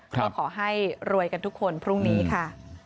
ก็ขอให้รวยกันทุกคนพรุ่งนี้ค่ะ